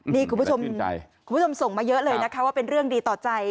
นี่คุณผู้ชมคุณผู้ชมส่งมาเยอะเลยนะคะว่าเป็นเรื่องดีต่อใจ